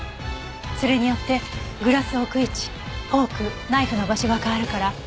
それによってグラスを置く位置フォークナイフの場所が変わるから。